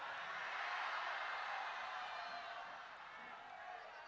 apakah kita mau berhenti karena digugat oleh uni eropa